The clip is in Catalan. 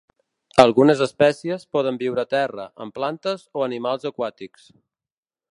Algunes espècies poden viure a terra, en plantes o animals aquàtics.